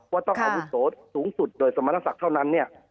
ว่าต้องเอาบุษฎุสูงสุดโดยสมาธิสัตว์เท่านั้นเนี่ย